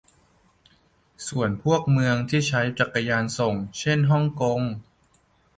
ส่วนพวกเมืองที่ใช้จักรยานส่ง เช่นฮ่องกง